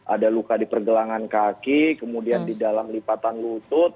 ada luka di pergelangan kaki kemudian di dalam lipatan lutut